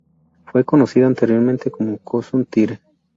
Fue conocida anteriormente como Chosun Tire.